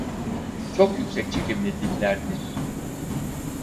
Çok yüksek çekimli dillerdir.